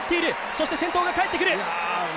そして先頭が帰ってくる。